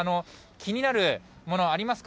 気になるものありますか？